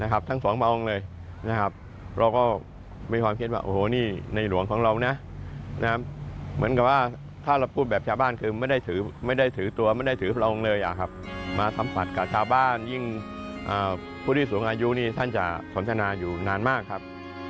การไบ้สงจัดการกับชาวบ้านยิ่งพวกผู้ที่สูงอายุนี้ท่านจะสมทนาอยู่นานมากครับ